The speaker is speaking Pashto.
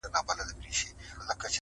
د ورځو په رڼا کي خو نصیب نه وو منلي-